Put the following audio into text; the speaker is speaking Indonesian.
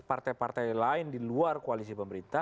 partai partai lain di luar koalisi pemerintah